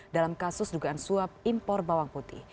dalam kasus dugaan suap impor bawang putih